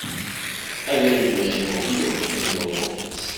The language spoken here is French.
Avenue du Régiment de Bigorre au numéro trente-huit